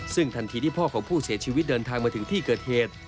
ซึ่งทันทีที่พ่อของผู้เสียชีวิตเดินทางมาถึงที่เกิดเหตุ